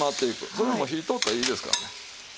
それでもう火通ったらいいですからね。